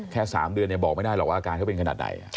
แค่๓เดือนบอกไม่ได้หรอกว่าอาการเขาเป็นขนาดไหน